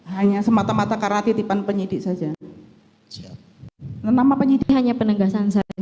hanya semata mata karena titipan penyidik saja